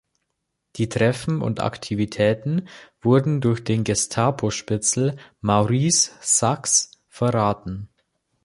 Die Treffen und Aktivitäten wurden durch den Gestapo-Spitzel Maurice Sachs verraten.